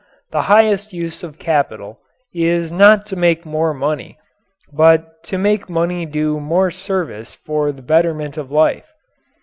The highest use of capital is not to make more money, but to make money do more service for the betterment of life.